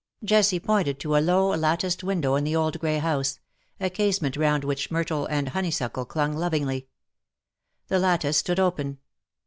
Jessie pointed to a low, latticed window in the old gray house — a casement round which myrtle and honeysuckle clung lovingly. The lattice stood open.